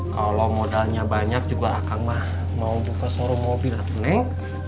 kalau modalnya banyak juga akan mah mau buka sorry mobil atau neng